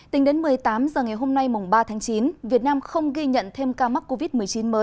tính đến một mươi tám h ngày hôm nay mùng ba tháng chín việt nam không ghi nhận thêm ca mắc covid một mươi chín mới